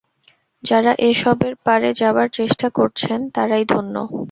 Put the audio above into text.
যাঁরা এ সবের পারে যাবার চেষ্টা করছেন, তাঁরাই ধন্য।